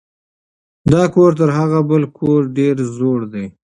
دا کور تر هغه بل کور ډېر زوړ دی.